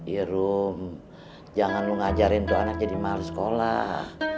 iya rum jangan lu ngajarin tuh anak jadi mahal sekolah